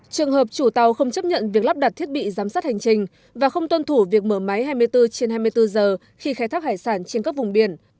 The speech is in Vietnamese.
trường hợp chủ tàu không chấp nhận việc lắp đặt thiết bị giám sát hành trình và không tuân thủ việc mở máy hai mươi bốn trên hai mươi bốn giờ khi khai thác hải sản trên các vùng biển